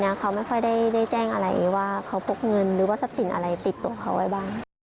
ลูกสาวป้าสมมายเป็นคนให้ข้อมูลแบบที่มันเป็นซึ่ง